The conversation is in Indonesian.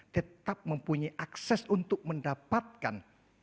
tetap mempunyai akses untuk mendapatkan